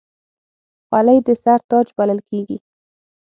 خولۍ د سر تاج بلل کېږي.